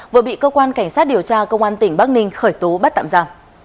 vừa bị cơ quan cảnh sát điều tra công an tỉnh bắc ninh khởi tố bắt tạm ra